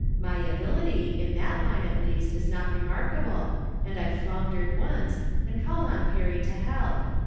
My abihty, in that line at least, is not remark able, and I floundered once, and called on Perry to help.